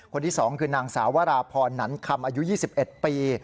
คนที่๒คือนางสาววราพรหนันคำอายุ๒๑ปี